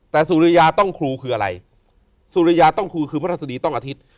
แต่สุริยาต้องครูคืออะไรสุริยาต้องครูคือพระราชดีต้องอาทิตย์